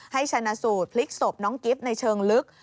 ให้ชนะสูตรพลิกสบน้องกิ๊บในเชิงลึก